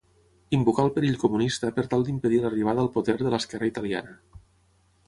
Invocà el perill comunista per tal d'impedir l'arribada al poder de l'esquerra italiana.